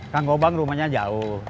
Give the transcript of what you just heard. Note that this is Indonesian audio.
kanggobang rumahnya jauh